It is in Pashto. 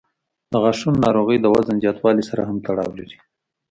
د غاښونو ناروغۍ د وزن زیاتوالي سره هم تړاو لري.